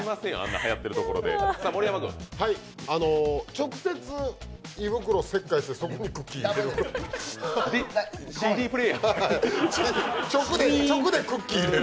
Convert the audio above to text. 直接、胃袋、切開してそこにクッキー入れる。